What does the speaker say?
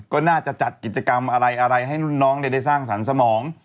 ก็น่าจะจัดกิจกรรมอะไรให้รุ่นน้องได้สร้างสรรค์สมอง